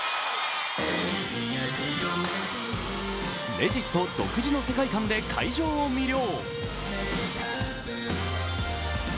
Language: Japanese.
Ｌｅｇｉｔ独自の世界観で会場を魅了。